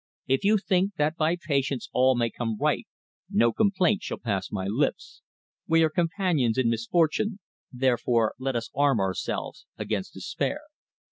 "If you think that by patience all may come right no complaint shall pass my lips. We are companions in misfortune, therefore let us arm ourselves against despair."